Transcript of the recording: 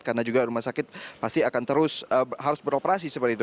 karena juga rumah sakit pasti akan terus harus beroperasi seperti itu